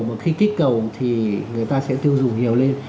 mà khi kích cầu thì người ta sẽ tiêu dùng nhiều lên